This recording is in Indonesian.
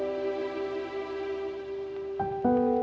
kenapa aku nggak bisa dapetin kebahagiaan aku